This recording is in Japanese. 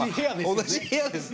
同じ部屋ですね